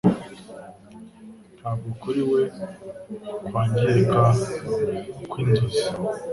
Ntabwo kuri we kwangirika kwinzozi